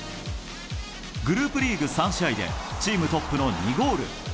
グループリーグ３試合で、チームトップの２ゴール。